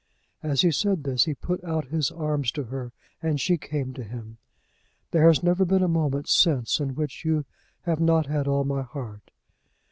As he said this he put out his arms to her, and she came to him. "There has never been a moment since in which you have not had all my heart."